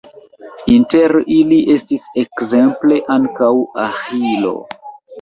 Inter ili estis ekzemple ankaŭ Aĥilo.